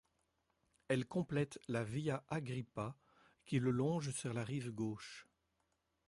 Elle complète la Via Agrippa, qui le longe sur la rive gauche.